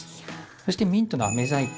そして、ミントのアメ細工。